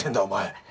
お前。